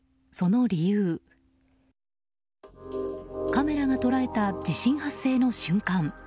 カメラが捉えた地震発生の瞬間。